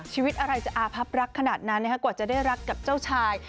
ชีวิตอะไรจะอาพับรักขนาดนั้นกว่าจะได้รักกับเจ้าชาย